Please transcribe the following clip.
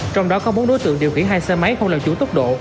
trong đó có bốn đối tượng điều khiển hai xe máy không làm chủ tốc độ